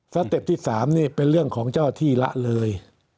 สเต็ปที่๓นี่เป็นเรื่องของเจ้าที่ละเลย